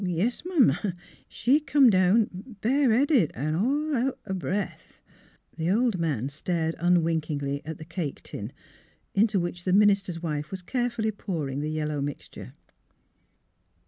"" Yes'm; she come down, bare headed 'n' all out o' breath." The old man stared unwinkingly at the cake tin, into which the minister's wife was carefully pouring the yellow mixture.